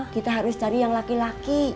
kita harus cari yang laki laki